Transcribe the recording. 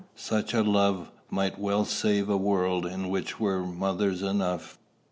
Such a love might well save a world in which were mothers enough.